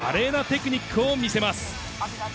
華麗なテクニックを見せます。